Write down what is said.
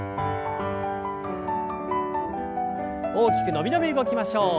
大きく伸び伸び動きましょう。